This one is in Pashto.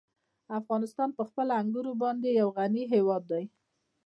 افغانستان په خپلو انګورو باندې یو غني هېواد دی.